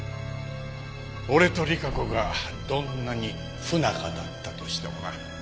俺と莉華子がどんなに不仲だったとしてもな。